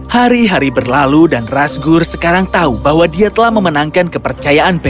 hari hari berlalu dan rasgur sekarang tahu bahwa dia telah memenangkan kepercayaan